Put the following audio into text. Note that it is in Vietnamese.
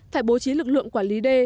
thải bố trí lực lượng quản lý